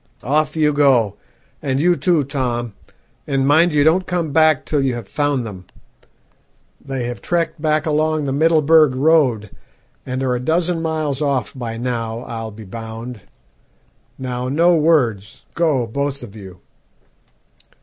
'Off you go, and you too, Tom, and mind you don't come back till you have found them. They have trekked back along the Middelburg Road, and are a dozen miles off by now, I'll be bound. Now, no words; go both of you.'